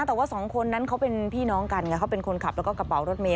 แต่ว่าสองคนนั้นเขาเป็นพี่น้องกันไงเขาเป็นคนขับแล้วก็กระเป๋ารถเมย